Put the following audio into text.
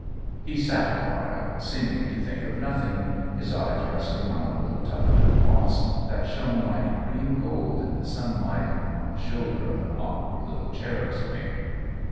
He sat a while, seeming to think of nothing, his eyes resting on a little tuft of moss that shone like green gold in the sunlight on the shoulder of an awkward little cherub's wing.